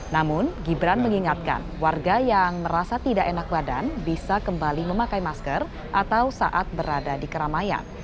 namun gibran mengingatkan warga yang merasa tidak enak badan bisa kembali memakai masker atau saat berada di keramaian